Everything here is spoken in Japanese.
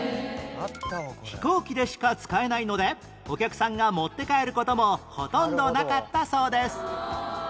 飛行機でしか使えないのでお客さんが持って帰る事もほとんどなかったそうです